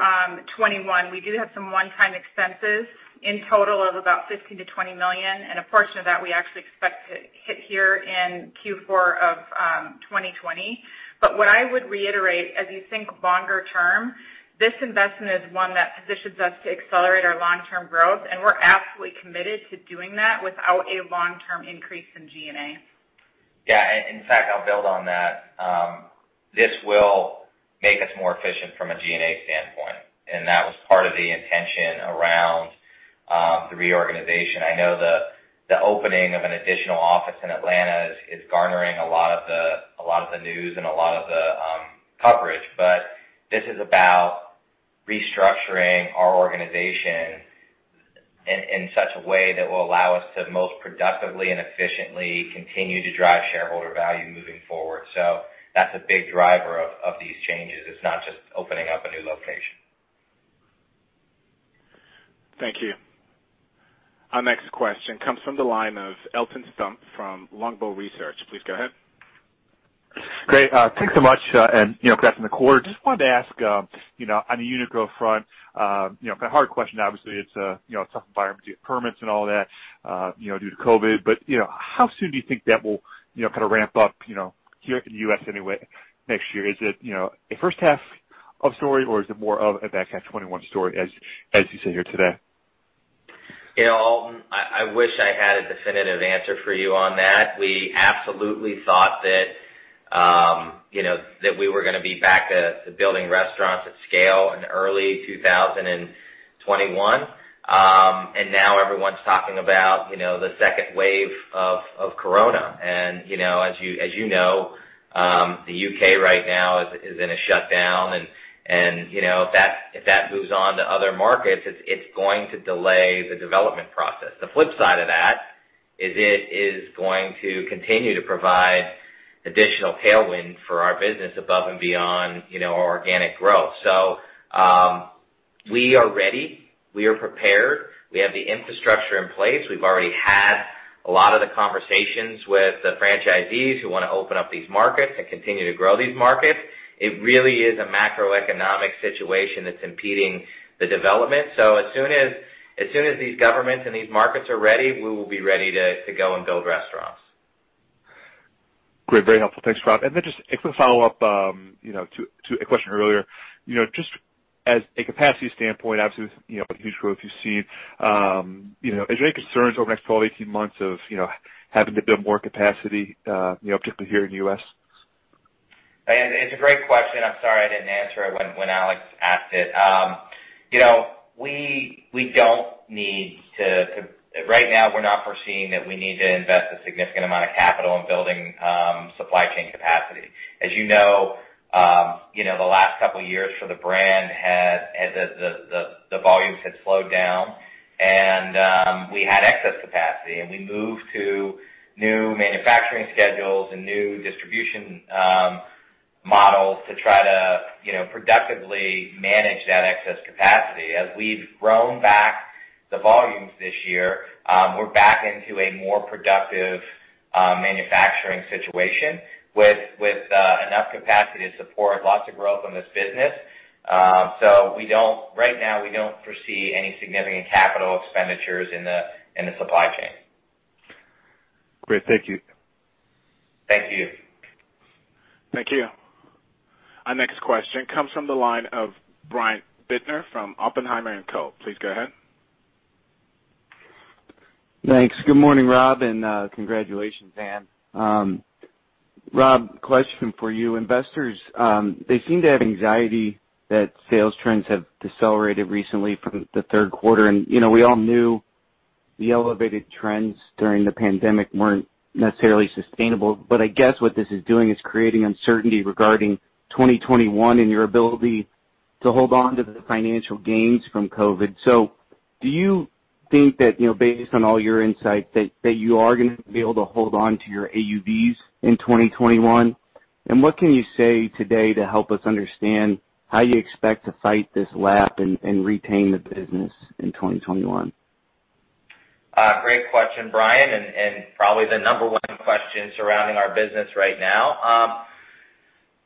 2021, we do have some one-time expenses in total of about $15 million-$20 million. A portion of that we actually expect to hit here in Q4 of 2020. What I would reiterate, as you think longer term, this investment is one that positions us to accelerate our long-term growth, and we're absolutely committed to doing that without a long-term increase in G&A. Yeah. In fact, I'll build on that. This will make us more efficient from a G&A standpoint, and that was part of the intention around the reorganization. I know the opening of an additional office in Atlanta is garnering a lot of the news and a lot of the coverage, but this is about restructuring our organization in such a way that will allow us to most productively and efficiently continue to drive shareholder value moving forward. That's a big driver of these changes. It's not just opening up a new location. Thank you. Our next question comes from the line of Alton Stump from Longbow Research. Please go ahead. Great. Thanks so much, and congrats on the quarter. Just wanted to ask on the unit count front, a hard question, obviously, it's a tough environment to get permits and all that due to COVID, but how soon do you think that will kind of ramp up here in the U.S. anyway, next year? Is it a first half of story, or is it more of a back half 2021 story, as you said here today? Yeah. Alton, I wish I had a definitive answer for you on that. We absolutely thought that we were going to be back to building restaurants at scale in early 2021. Now everyone's talking about the second wave of corona, and as you know, the U.K. right now is in a shutdown, and if that moves on to other markets, it's going to delay the development process. The flip side of that is it is going to continue to provide additional tailwind for our business above and beyond our organic growth. We are ready. We are prepared. We have the infrastructure in place. We've already had a lot of the conversations with the franchisees who want to open up these markets and continue to grow these markets. It really is a macroeconomic situation that's impeding the development. As soon as these governments and these markets are ready, we will be ready to go and build restaurants. Great. Very helpful. Thanks, Rob. Just a quick follow-up to a question earlier. Just as a capacity standpoint, obviously with the huge growth you've seen, is there any concerns over the next 12-18 months of having to build more capacity, particularly here in the U.S.? It's a great question. I'm sorry I didn't answer it when Alex asked it. Right now, we're not foreseeing that we need to invest a significant amount of capital in building supply chain capacity. You know, the last couple of years for the brand, the volumes had slowed down, and we had excess capacity, and we moved to new manufacturing schedules and new distribution models to try to productively manage that excess capacity. We've grown back the volumes this year, we're back into a more productive manufacturing situation with enough capacity to support lots of growth in this business. Right now, we don't foresee any significant capital expenditures in the supply chain. Great. Thank you. Thank you. Thank you. Our next question comes from the line of Brian Bittner from Oppenheimer & Co. Please go ahead. Thanks. Good morning, Rob, and congratulations, Ann. Rob, question for you. Investors, they seem to have anxiety that sales trends have decelerated recently from the third quarter, and we all knew the elevated trends during the pandemic weren't necessarily sustainable, but I guess what this is doing is creating uncertainty regarding 2021 and your ability to hold on to the financial gains from COVID. Do you think that based on all your insights, that you are going to be able to hold on to your AUVs in 2021? What can you say today to help us understand how you expect to fight this lap and retain the business in 2021? Great question, Brian. Probably the number one question surrounding our business right now.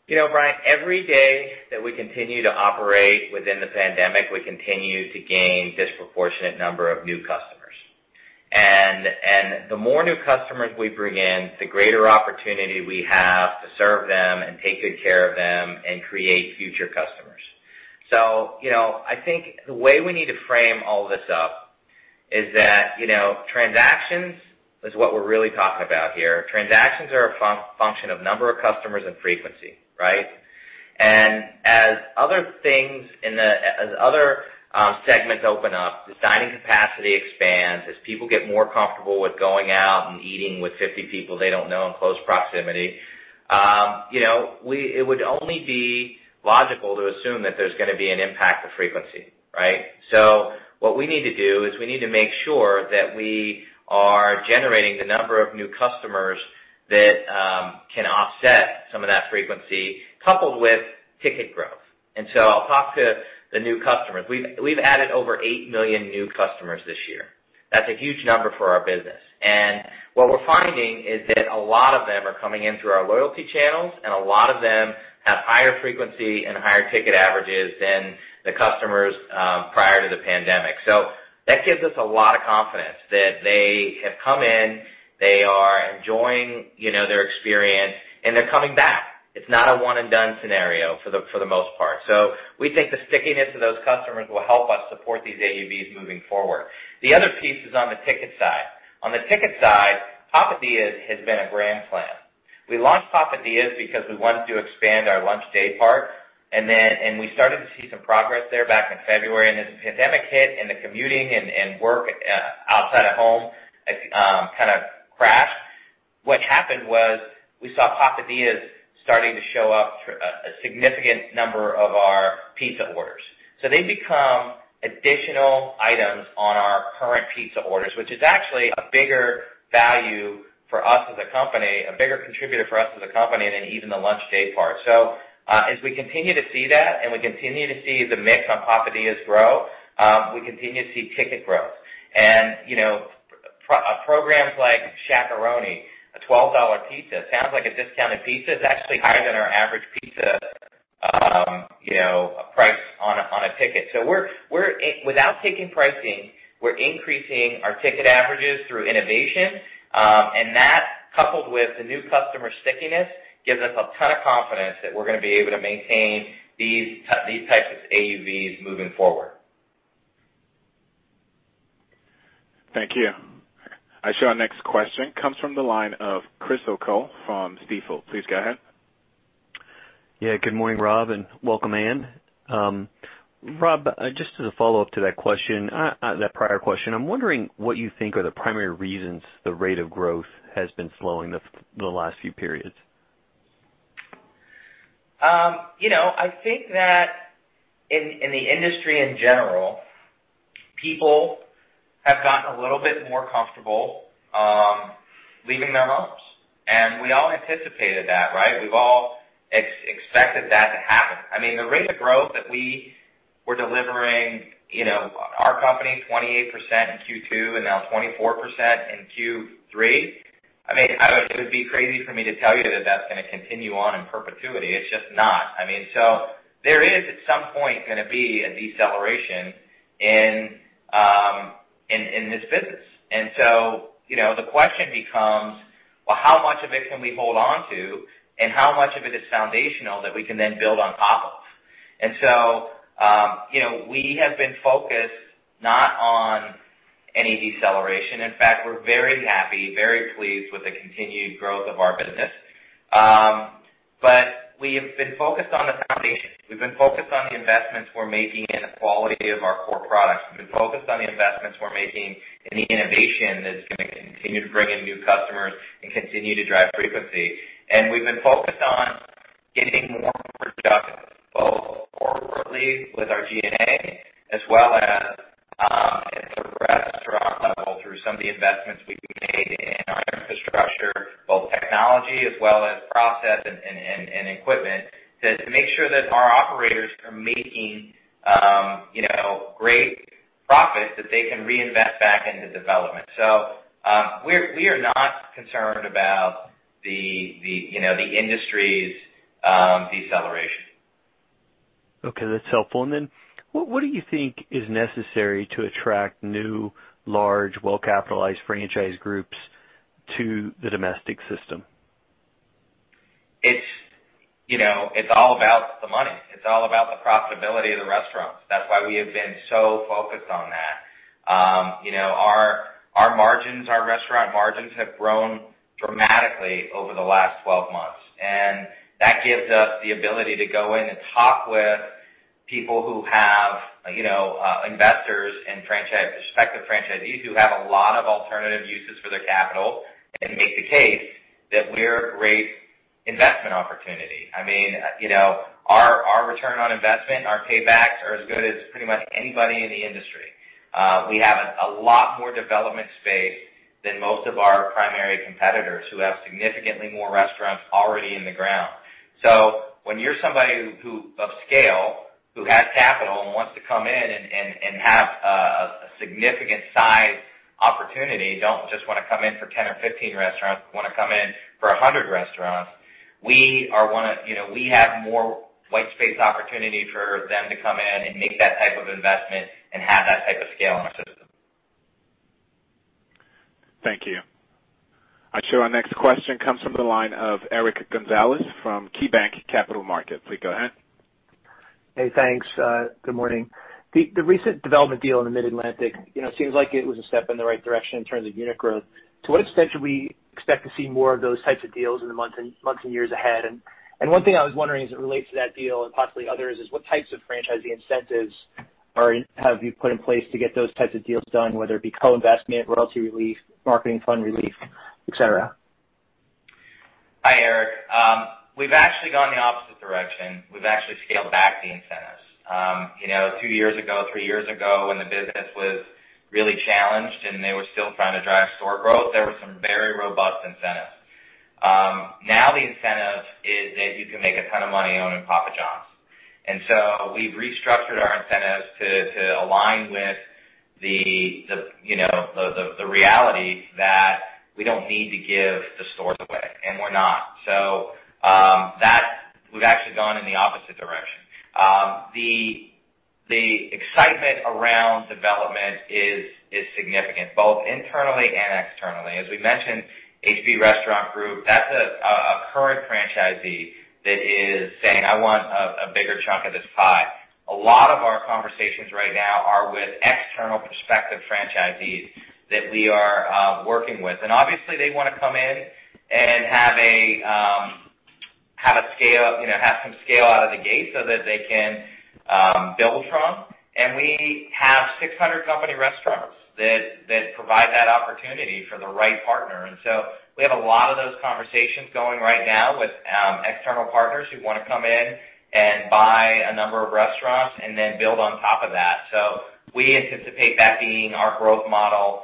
Brian, every day that we continue to operate within the pandemic, we continue to gain disproportionate number of new customers. The more new customers we bring in, the greater opportunity we have to serve them and take good care of them and create future customers. I think the way we need to frame all this up is that, transactions is what we're really talking about here. Transactions are a function of number of customers and frequency, right? As other segments open up, as dining capacity expands, as people get more comfortable with going out and eating with 50 people they don't know in close proximity, it would only be logical to assume that there's going to be an impact to frequency. Right? What we need to do is we need to make sure that we are generating the number of new customers that can offset some of that frequency, coupled with ticket growth. I'll talk to the new customers. We've added over 8 million new customers this year. That's a huge number for our business. What we're finding is that a lot of them are coming in through our loyalty channels, and a lot of them have higher frequency and higher ticket averages than the customers prior to the pandemic. That gives us a lot of confidence that they have come in, they are enjoying their experience, and they're coming back. It's not a one and done scenario for the most part. We think the stickiness of those customers will help us support these AUVs moving forward. The other piece is on the ticket side. On the ticket side, Papadias has been a grand plan. We launched Papadias because we wanted to expand lunch daypart, and we started to see some progress there back in February. The pandemic hit, and the commuting and work outside of home kind of crashed. What happened was we saw Papadias starting to show up a significant number of our pizza orders. They become additional items on our current pizza orders, which is actually a bigger value for us as a company, a bigger contributor for us as a company than even lunch daypart. as we continue to see that, and we continue to see the mix on Papadias grow, we continue to see ticket growth. Programs like Shaq-a-Roni, a $12 pizza, sounds like a discounted pizza. It's actually higher than our average pizza price on a ticket. Without taking pricing, we're increasing our ticket averages through innovation. That, coupled with the new customer stickiness, gives us a ton of confidence that we're going to be able to maintain these types of AUVs moving forward. Thank you. I show our next question comes from the line of Chris O'Cull from Stifel. Please go ahead. Good morning, Rob, welcome, Ann. Rob, just as a follow-up to that question, that prior question, I'm wondering what you think are the primary reasons the rate of growth has been slowing the last few periods. I think that in the industry in general, people have gotten a little bit more comfortable leaving their homes, and we all anticipated that, right? We've all expected that to happen. I mean, the rate of growth that we were delivering, our company, 28% in Q2 and now 24% in Q3. I mean, it would be crazy for me to tell you that that's going to continue on in perpetuity. It's just not. There is, at some point, going to be a deceleration in this business. The question becomes, well, how much of it can we hold on to, and how much of it is foundational that we can then build on top of? We have been focused not on any deceleration. In fact, we're very happy, very pleased with the continued growth of our business. We have been focused on the foundation. We've been focused on the investments we're making in the quality of our core products. We've been focused on the investments we're making in the innovation that's going to continue to bring in new customers and continue to drive frequency. We've been focused on getting more productive, both forwardly with our G&A as well as at the restaurant level through some of the investments we've made in our infrastructure, both technology as well as process and equipment, to make sure that our operators are making great profits that they can reinvest back into development. We are not concerned about the industry's deceleration. Okay, that's helpful. What do you think is necessary to attract new, large, well-capitalized franchise groups to the domestic system? It's all about the money. It's all about the profitability of the restaurants. That's why we have been so focused on that. Our restaurant margins have grown dramatically over the last 12 months. That gives us the ability to go in and talk with people who have investors and respective franchisees who have a lot of alternative uses for their capital and make the case that we're a great investment opportunity. I mean, our return on investment, our paybacks are as good as pretty much anybody in the industry. We have a lot more development space than most of our primary competitors who have significantly more restaurants already in the ground. When you're somebody of scale, who has capital and wants to come in and have a significant size opportunity, don't just want to come in for 10 or 15 restaurants, want to come in for 100 restaurants. We have white space opportunity for them to come in and make that type of investment and have that type of scale in our system. Thank you. I show our next question comes from the line of Eric Gonzalez from KeyBanc Capital Markets. Please go ahead. Hey, thanks. Good morning. The recent development deal in the Mid-Atlantic seems like it was a step in the right direction in terms of unit growth. To what extent should we expect to see more of those types of deals in the months and years ahead? One thing I was wondering as it relates to that deal and possibly others, is what types of franchisee incentives have you put in place to get those types of deals done, whether it be co-investment, royalty relief, marketing fund relief, et cetera? Hi, Eric. We've actually gone the opposite direction. We've actually scaled back the incentives. Two years ago, three years ago, when the business was really challenged and they were still trying to drive store growth, there were some very robust incentives. Now the incentive is that you can make a ton of money owning Papa John's. We've restructured our incentives to align with the reality that we don't need to give the stores away, and we're not. We've actually gone in the opposite direction. The excitement around development is significant, both internally and externally. As we mentioned, HB Restaurant Group, that's a current franchisee that is saying, "I want a bigger chunk of this pie." A lot of our conversations right now are with external prospective franchisees that we are working with. Obviously they want to come in and have some scale out of the gate so that they can build from. We have 600 company restaurants that provide that opportunity for the right partner. We have a lot of those conversations going right now with external partners who want to come in and buy a number of restaurants and then build on top of that. We anticipate that being our growth model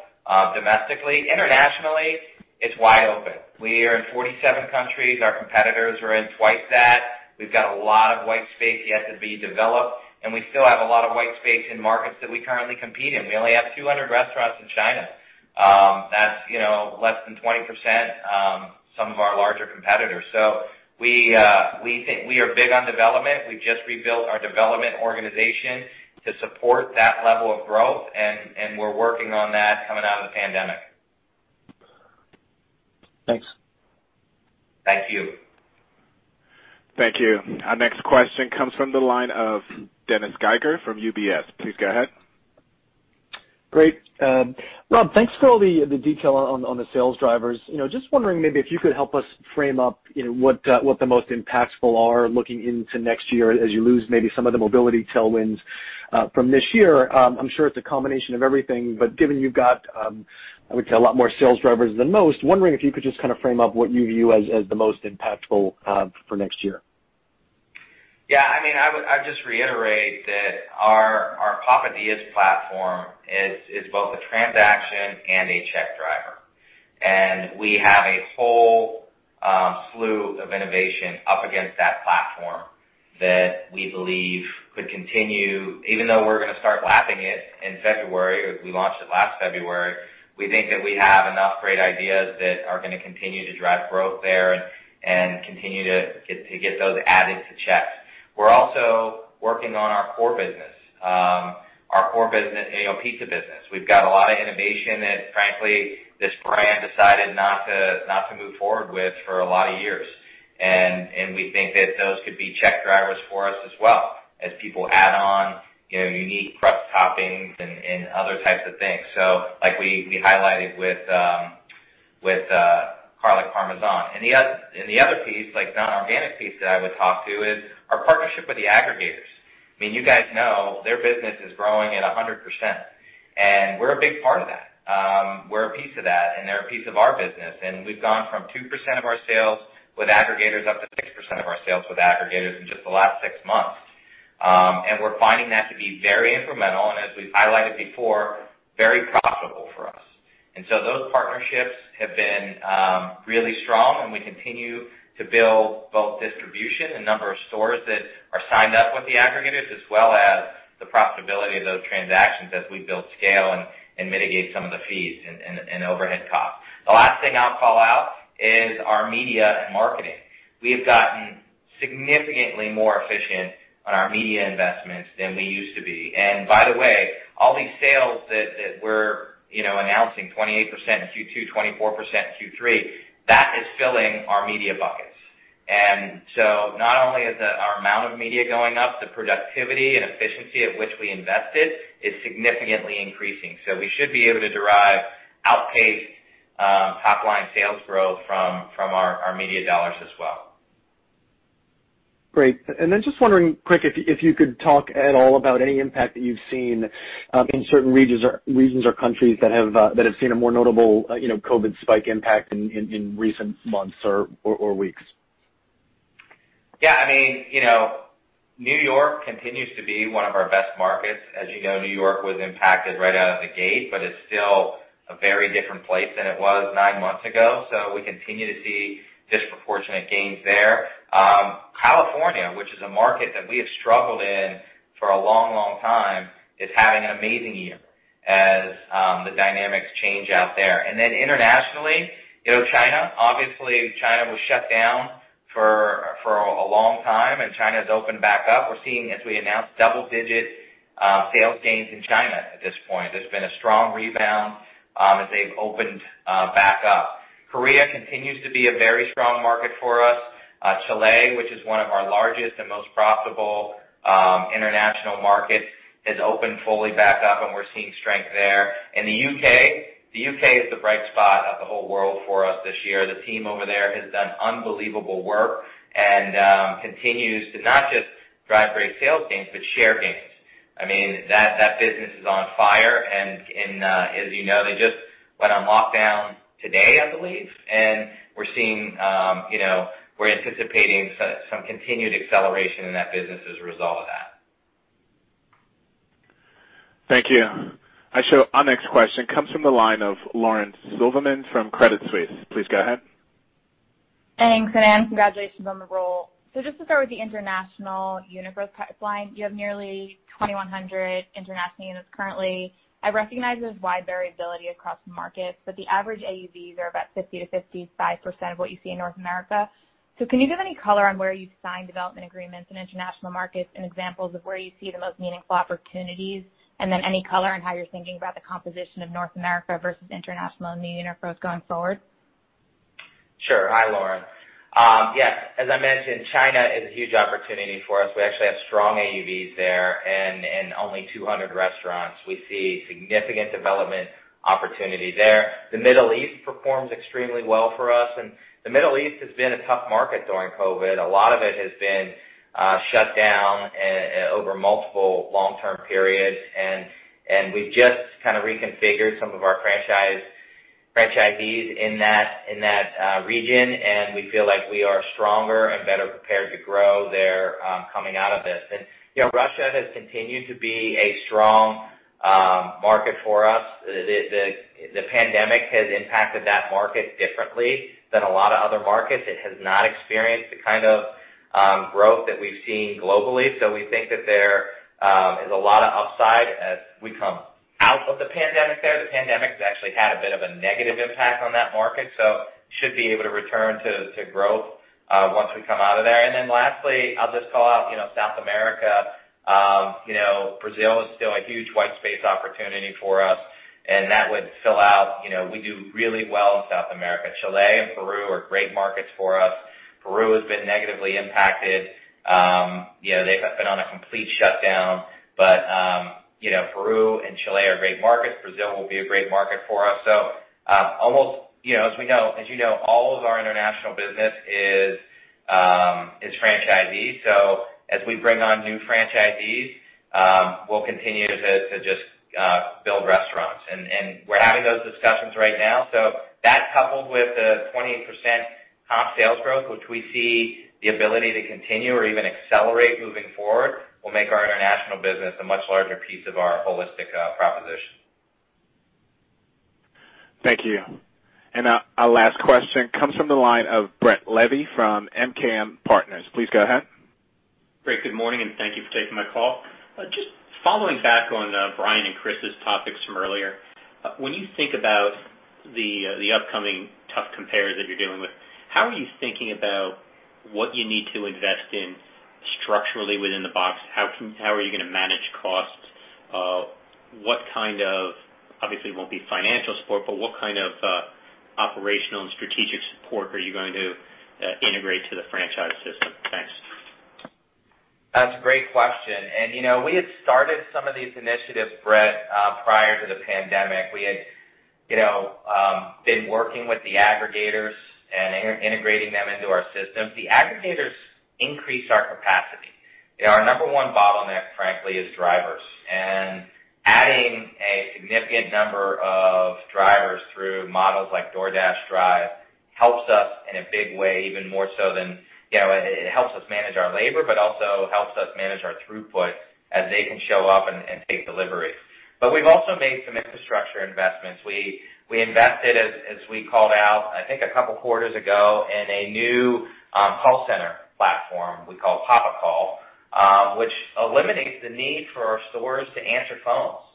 domestically. Internationally, it's wide open. We are in 47 countries. Our competitors are in twice that. We've got a lot white space yet to be developed, and we still have a lot white space in markets that we currently compete in. We only have 200 restaurants in China. That's less than 20% some of our larger competitors. We are big on development. We've just rebuilt our development organization to support that level of growth, and we're working on that coming out of the pandemic. Thanks. Thank you. Thank you. Our next question comes from the line of Dennis Geiger from UBS. Please go ahead. Great. Rob, thanks for all the detail on the sales drivers. Just wondering maybe if you could help us frame up what the most impactful are looking into next year as you lose maybe some of the mobility tailwinds from this year. I'm sure it's a combination of everything, but given you've got, I would say, a lot more sales drivers than most, wondering if you could just kind of frame up what you view as the most impactful for next year. I'd just reiterate that our Papadias platform is both a transaction and a check driver, and we have a whole slew of innovation up against that platform that we believe could continue, even though we're going to start lapping it in February. We launched it last February. We think that we have enough great ideas that are going to continue to drive growth there and continue to get those added to checks. We're also working on our core business, our core pizza business. We've got a lot of innovation that, frankly, this brand decided not to move forward with for a lot of years. We think that those could be check drivers for us as well, as people add on unique crust toppings and other types of things. Like we highlighted with Garlic Parmesan. The other piece, like non-organic piece that I would talk to, is our partnership with the aggregators. You guys know their business is growing at 100%, and we're a big part of that. We're a piece of that, and they're a piece of our business, and we've gone from 2% of our sales with aggregators up to 6% of our sales with aggregators in just the last six months. We're finding that to be very incremental and as we've highlighted before, very profitable for us. Those partnerships have been really strong and we continue to build both distribution and number of stores that are signed up with the aggregators as well as the profitability of those transactions as we build scale and mitigate some of the fees and overhead costs. The last thing I'll call out is our media and marketing. We have gotten significantly more efficient on our media investments than we used to be. By the way, all these sales that we're announcing, 28% in Q2, 24% in Q3, that is filling our media buckets. Not only is our amount of media going up, the productivity and efficiency at which we invested is significantly increasing. We should be able to derive outpaced top-line sales growth from our media dollars as well. Great. Just wondering quick if you could talk at all about any impact that you've seen in certain regions or countries that have seen a more notable COVID spike impact in recent months or weeks? Yeah. New York continues to be one of our best markets. As you know, New York was impacted right out of the gate, but it's still a very different place than it was nine months ago. We continue to see disproportionate gains there. California, which is a market that we have struggled in for a long time, is having an amazing year as the dynamics change out there. Internationally, China. Obviously, China was shut down for a long time, and China's opened back up. We're seeing, as we announced, double-digit sales gains in China at this point. There's been a strong rebound as they've opened back up. Korea continues to be a very strong market for us. Chile, which is one of our largest and most profitable international markets, has opened fully back up, and we're seeing strength there. In the U.K., the U.K. is the bright spot of the whole world for us this year. The team over there has done unbelievable work and continues to not just drive great sales gains but share gains. That business is on fire, as you know, they just went on lockdown today, I believe. We're anticipating some continued acceleration in that business as a result of that. Thank you. Our next question comes from the line of Lauren Silberman from Credit Suisse. Please go ahead. Thanks, and congratulations on the role. Just to start with the international unit growth pipeline, you have nearly 2,100 international units currently. I recognize there's wide variability across markets, but the average AUVs are about 50%-55% of what you see in North America. Can you give any color on where you've signed development agreements in international markets and examples of where you see the most meaningful opportunities? Then any color on how you're thinking about the composition of North America versus international new unit growth going forward? Sure. Hi, Lauren. Yes, as I mentioned, China is a huge opportunity for us. We actually have strong AUVs there and only 200 restaurants. We see significant development opportunity there. The Middle East performs extremely well for us, and the Middle East has been a tough market during COVID. A lot of it has been shut down over multiple long-term periods, and we've just reconfigured some of our franchisees in that region, and we feel like we are stronger and better prepared to grow there coming out of this. Russia has continued to be a strong market for us. The pandemic has impacted that market differently than a lot of other markets. It has not experienced the kind of growth that we've seen globally. We think that there is a lot of upside as we come out of the pandemic there. The pandemic's actually had a bit of a negative impact on that market, so should be able to return to growth once we come out of there. Lastly, I'll just call out South America. Brazil is still a white space opportunity for us, and that would fill out. We do really well in South America. Chile and Peru are great markets for us. Peru has been negatively impacted. They've been on a complete shutdown, but Peru and Chile are great markets. Brazil will be a great market for us. As you know, all of our international business is franchisees. As we bring on new franchisees, we'll continue to just build restaurants. We're having those discussions right now. That coupled with the 28% comp sales growth, which we see the ability to continue or even accelerate moving forward, will make our international business a much larger piece of our holistic proposition. Thank you. Our last question comes from the line of Brett Levy from MKM Partners. Please go ahead. Great. Good morning and thank you for taking my call. Just following back on Brian and Chris's topics from earlier, when you think about the upcoming tough compares that you're dealing with, how are you thinking about what you need to invest in structurally within the box? How are you going to manage costs? Obviously, it won't be financial support, but what kind of operational and strategic support are you going to integrate to the franchise system? Thanks. That's a great question. We had started some of these initiatives, Brett, prior to the pandemic. We had been working with the aggregators and integrating them into our systems. The aggregators increased our capacity. Our number one bottleneck, frankly, is drivers. Adding a significant number of drivers through models like DoorDash Drive helps us in a big way, it helps us manage our labor but also helps us manage our throughput as they can show up and take delivery. We've also made some infrastructure investments. We invested, as we called out, I think a couple quarters ago, in a new call center platform we call Papa Call, which eliminates the need for our stores to answer phones.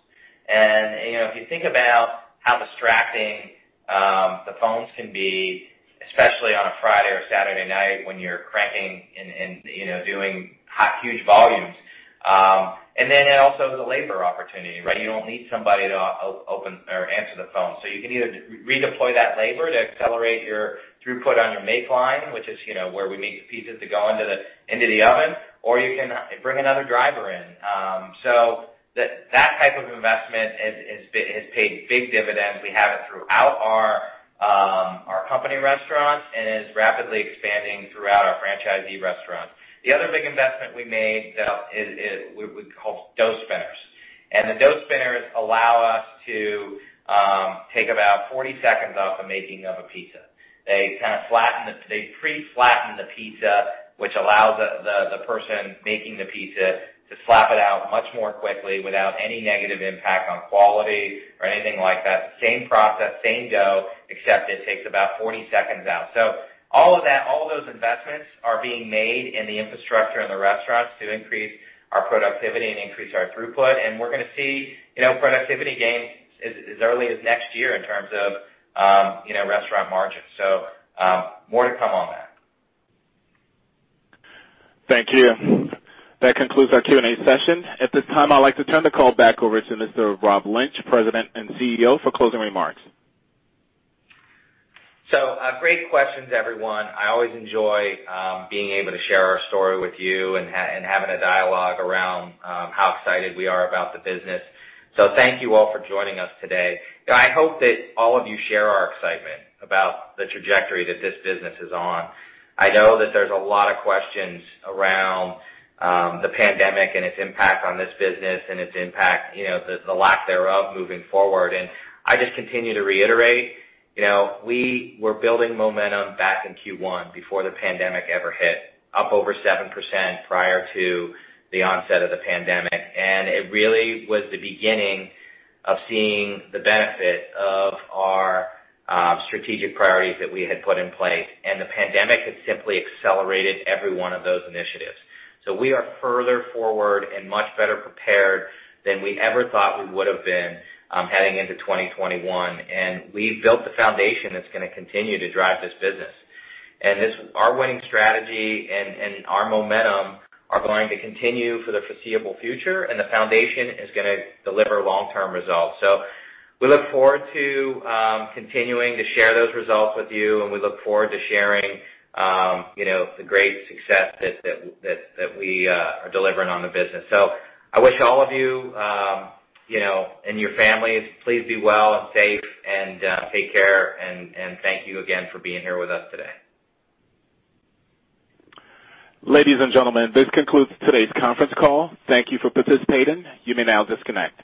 If you think about how distracting the phones can be, especially on a Friday or Saturday night when you're cranking and doing huge volumes, and then also the labor opportunity, right? You don't need somebody to open or answer the phone. You can either redeploy that labor to accelerate your throughput on your makeline, which is where we make the pizzas to go into the oven, or you can bring another driver in. That type of investment has paid big dividends. We have it throughout our company restaurants and is rapidly expanding throughout our franchisee restaurants. The other big investment we made, though, is what we call dough spinners. The dough spinners allow us to take about 40 seconds off the making of a pizza. They pre-flatten the pizza, which allows the person making the pizza to slap it out much more quickly without any negative impact on quality or anything like that. Same process, same dough, except it takes about 40 seconds out. All of those investments are being made in the infrastructure and the restaurants to increase our productivity and increase our throughput, and we're going to see productivity gains as early as next year in terms of restaurant margins. More to come on that. Thank you. That concludes our Q&A session. At this time, I'd like to turn the call back over to Mr. Rob Lynch, President and CEO, for closing remarks. Great questions, everyone. I always enjoy being able to share our story with you and having a dialogue around how excited we are about the business. Thank you all for joining us today. I hope that all of you share our excitement about the trajectory that this business is on. I know that there's a lot of questions around the pandemic and its impact on this business and its impact, the lack thereof moving forward. I just continue to reiterate, we were building momentum back in Q1 before the pandemic ever hit, up over 7% prior to the onset of the pandemic. It really was the beginning of seeing the benefit of our strategic priorities that we had put in place, and the pandemic has simply accelerated every one of those initiatives. We are further forward and much better prepared than we ever thought we would've been heading into 2021, and we've built the foundation that's going to continue to drive this business. Our winning strategy and our momentum are going to continue for the foreseeable future, and the foundation is going to deliver long-term results. We look forward to continuing to share those results with you, and we look forward to sharing the great success that we are delivering on the business. I wish all of you and your families, please be well and safe, and take care, and thank you again for being here with us today. Ladies and gentlemen, this concludes today's conference call. Thank you for participating. You may now disconnect.